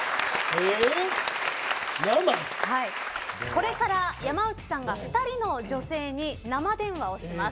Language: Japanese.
これから山内さんが２人の女性に生電話をします。